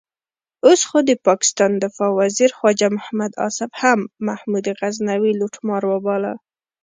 اوس خو د پاکستان دفاع وزیر خواجه محمد آصف هم محمود غزنوي لوټمار وباله.